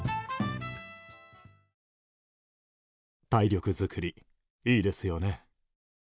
体力づくりいいですよね。